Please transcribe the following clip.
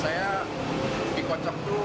ia jadi pikan canggung